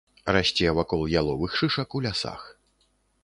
Расце вакол яловых шышак у лясах.